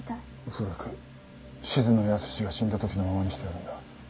恐らく静野保志が死んだ時のままにしてあるんだ。